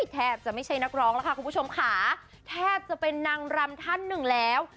แทบจะไม่ใช่นักร้องแล้วค่ะคุณผู้ชมค่ะแทบจะเป็นนางรำท่านหนึ่งแล้ว